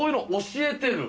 教えてる？